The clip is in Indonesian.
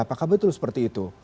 apakah betul seperti itu